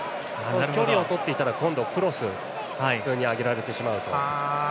距離をとっていたら今度はクロスを普通に上げられてしまうと。